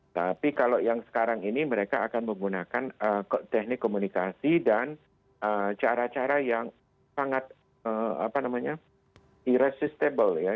tapi kalau yang sekarang ini mereka akan menggunakan teknik komunikasi dan cara cara yang sangat iresistable ya